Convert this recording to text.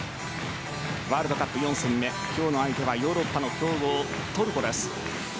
ワールドカップ４戦目今日の相手はヨーロッパの強豪・トルコです。